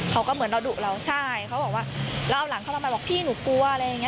เขาก็เหมือนเราดุเราใช่เขาบอกว่าเราเอาหลังเขาทำไมบอกพี่หนูกลัวอะไรอย่างนี้